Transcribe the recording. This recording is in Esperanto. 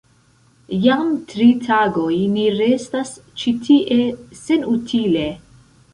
Jam tri tagojn ni restas ĉi tie senutile!